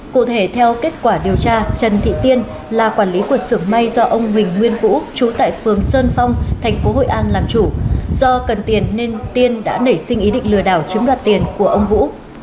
cụ thể theo kết quả điều tra trần thị tiên là quản lý của sưởng may do ông huỳnh nguyên vũ trú tại phường sơn phong thành phố hội an làm chủ do cần tiền nên tiên đã nảy sinh ý định lừa đảo chiếm đoạt tiền của ông vũ